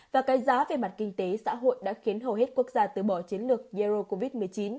và cái giá về mặt kinh tế xã hội đã khiến hầu hết quốc gia tứ bỏ chiến lược zero covid một mươi chín